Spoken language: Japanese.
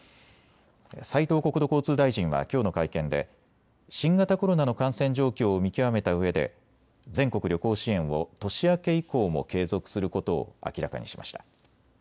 斉藤国土交通大臣はきょうの会見で新型コロナの感染状況を見極めたうえで全国旅行支援を年明け以降も継続することを明らかにしました。